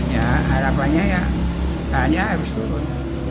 ya harapannya ya tanya harus turun